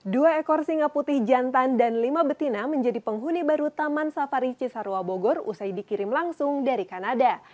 dua ekor singa putih jantan dan lima betina menjadi penghuni baru taman safari cisarua bogor usai dikirim langsung dari kanada